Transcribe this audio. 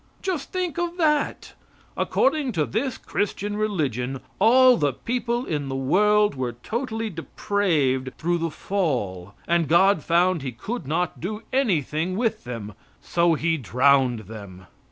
Just think of that! According to this Christian religion all the people in the world were totally depraved through the fall, and God found he could not do anything with them, so he drowned them.